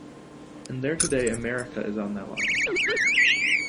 And there today America is on that line.